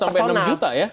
itu bisa sampai enam juta ya